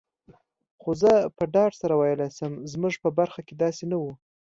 خو زه په ډاډ سره ویلای شم، زموږ په برخه کي داسي نه وو.